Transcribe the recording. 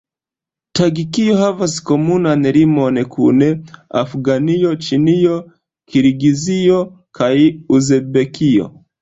Taĝikio havas komunan limon kun Afganio, Ĉinio, Kirgizio kaj Uzbekio.